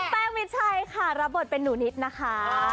แป๊กมิชัยรับบทเป็นหนูนิดนะคะ